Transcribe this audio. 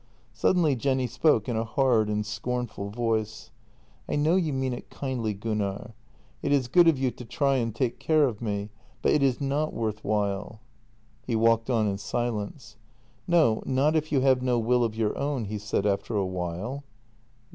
Suddenly Jenny spoke in a hard and scornful voice: " I know you mean it kindly, Gunnar. It is good of you to try and take care of me, but it is not worth while." He walked on in silence. " No, not if you have no will of your own," he said after a while.